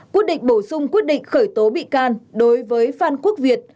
quyết định bổ sung quyết định khởi tố bị can đối với phan quốc việt